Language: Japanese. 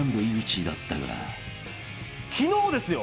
昨日ですよ